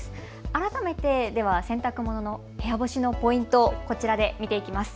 改めて洗濯物の部屋干しのポイント、こちらで見ていきます。